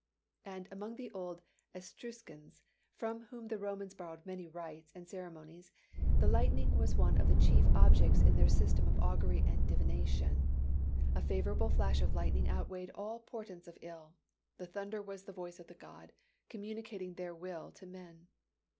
And among the old Etruscans, from whom the Romans borrowed many rites and ceremonies, the lightning was one of the chief objects in their system of augury and divination. A favorable flash of lightning outweighed all portents of ill. The thunder was the voice of the gods, communicating their will to men.